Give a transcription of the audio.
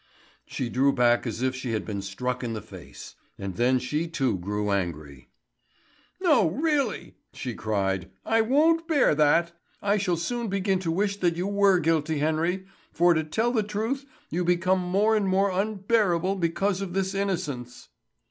She drew back as if she had been struck in the face, and then she too grew angry. "No, really!" she cried. "I won't bear that! I shall soon begin to wish that you were guilty, Henry; for to tell the truth, you become more and more unbearable because of this innocence."